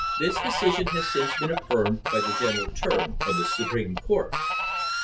This deci sion has since been affirmed by the General Term of the Su preme Court.